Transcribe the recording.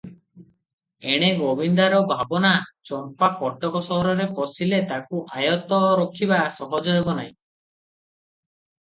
ଏଣେ ଗୋବିନ୍ଦାର ଭାବନା, ଚମ୍ପା କଟକ ସହରରେ ପଶିଲେ ତାକୁ ଆୟତ୍ତ ରଖିବା ସହଜ ହେବ ନାହିଁ ।